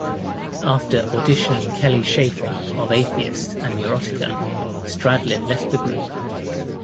After auditioning Kelly Shaefer of Atheist and Neurotica, Stradlin left the group.